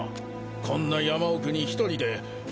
こんな山奥に一人で。